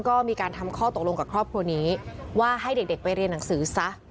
ก็มีการทำข้อตกลงกับครอบครัวนี้ว่าให้เด็กไปเรียนหนังสือซะ